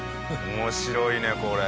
面白いねこれ。